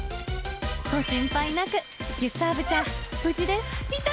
ご心配なく、ギュスターヴちゃん、無事です。